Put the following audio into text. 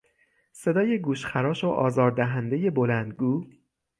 صدای گوش خراش و آزار دهندهی بلند گو